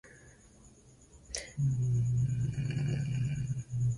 unaweza kula matembele na ndizi